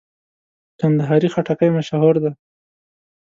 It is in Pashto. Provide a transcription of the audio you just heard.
کندهاري خټکی مشهور دی.